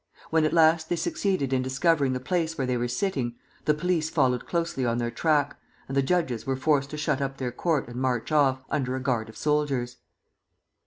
When at last they succeeded in discovering the place where they were sitting, the police followed closely on their track, and the judges were forced to shut up their court and march off, under a guard of soldiers.